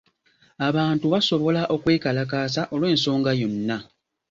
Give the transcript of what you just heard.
Abantu basobola okwekalakaasa olw'ensonga yonna.